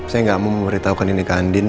saya gak mau memberitahukan ini ke andin